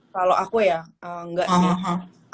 kalau aku ya nggak